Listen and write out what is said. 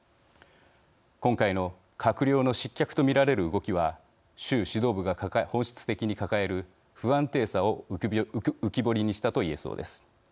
今回の閣僚の失脚と見られる動きは習指導部が本質的に抱える不安定さを浮き彫りにしたと言えそうです。